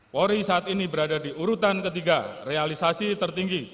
polri saat ini berada di urutan ketiga realisasi tertinggi